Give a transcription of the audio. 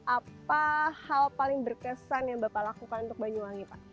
apa hal paling berkesan yang bapak lakukan